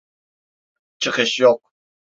Çıkış yok.